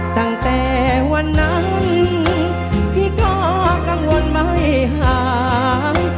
ตั้งแต่วันนั้นพี่ก็กังวลไม่ห่าง